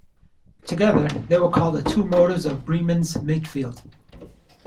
Together, they were called the "two motors of Bremen's midfield".